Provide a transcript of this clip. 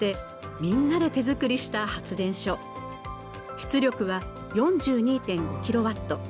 出力は４２．５キロワット。